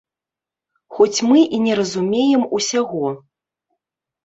Хоць мы і не разумеем усяго.